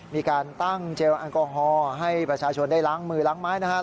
มีการตั้งเจลแอลกอฮอล์ให้ประชาชนได้ล้างมือล้างไม้นะครับ